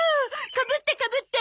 かぶってかぶって！